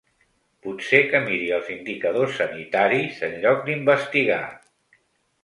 Potser que miri els indicadors sanitaris, en lloc d’investigar.